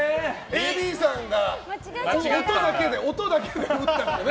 ＡＤさんが音だけで打ったからね。